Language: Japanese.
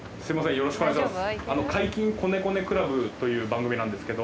よろしくお願いします。